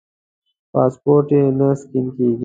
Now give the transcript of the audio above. پاسپورټ یې نه سکېن کېږي.